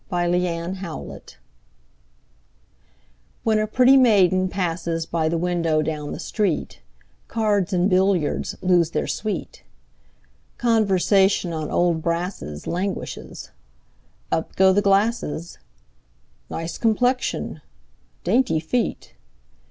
Y Z At the Club When a pretty maiden passes By the window down the street, Cards and billiards lose their sweet; Conversation on old brasses Languishes; up go the glasses: "Nice complexion!" "Dainty feet!"